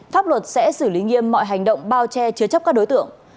pháp luật sẽ xử lý nghiêm mọi hành động bao che chứa chấp các đối tượng